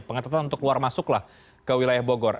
pengatatan untuk keluar masuk ke wilayah bogor